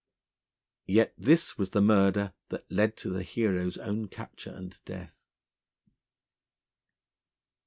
Yet this was the murder that led to the hero's own capture and death.